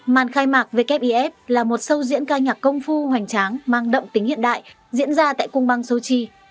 màn khai mạc wif là một sâu diễn ca nhạc công phu hoành tráng mang đậm tính hiện đại diễn ra tại cung bang sochi